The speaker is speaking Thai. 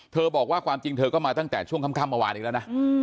บอกว่าความจริงเธอก็มาตั้งแต่ช่วงค่ำเมื่อวานอีกแล้วนะ